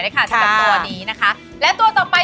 ไม่เท่าไหร่มันแห้งไป